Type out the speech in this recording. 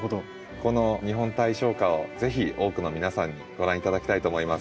この日本大賞花を是非多くの皆さんにご覧頂きたいと思います。